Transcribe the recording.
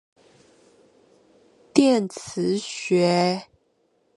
電磁學